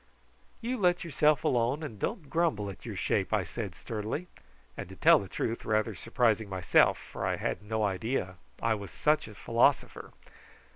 "You let yourself alone, and don't grumble at your shape," I said sturdily, and to tell the truth rather surprising myself, for I had no idea that I was such a philosopher.